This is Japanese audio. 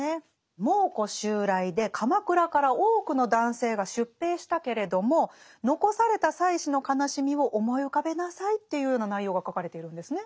蒙古襲来で鎌倉から多くの男性が出兵したけれども残された妻子の悲しみを思い浮かべなさいというような内容が書かれているんですね。